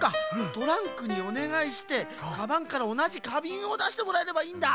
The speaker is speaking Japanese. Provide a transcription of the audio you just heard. トランクにおねがいしてカバンからおなじかびんをだしてもらえればいいんだ！